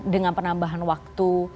dengan penambahan waktu